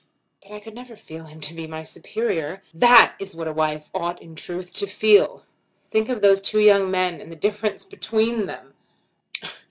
"But I could never feel him to be my superior. That is what a wife ought in truth to feel. Think of those two young men and the difference between them!